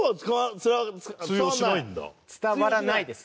伝わらないです。